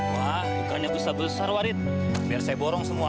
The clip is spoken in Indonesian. wah ukurannya besar besar warid biar saya borong semua